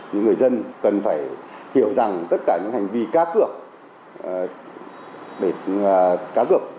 những người dân cần phải hiểu rằng tất cả những hành vi cá cược bệt cá cược